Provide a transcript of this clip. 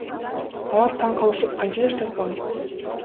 Алар таң калышып Канча жаштасың?